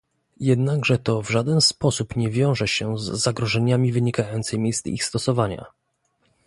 Jednakże to w żaden sposób nie wiąże się z zagrożeniami wynikającymi z ich stosowania